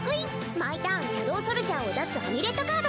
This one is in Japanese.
毎ターンシャドウソルジャーを出すアミュレットカード。